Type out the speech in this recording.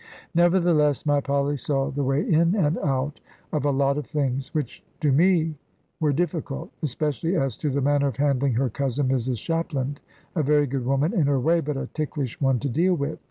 Nevertheless my Polly saw the way in and out of a lot of things, which to me were difficult. Especially as to the manner of handling her cousin, Mrs Shapland, a very good woman in her way, but a ticklish one to deal with.